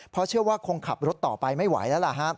เพราะเชื่อว่าคงขับรถต่อไปไม่ไหวแล้วล่ะครับ